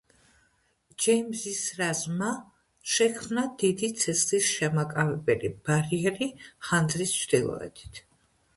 ჯეიმზის რაზმმა შექმნა დიდი ცეცხლის შემაკავებელი ბარიერი ხანძრის ჩრდილოეთით.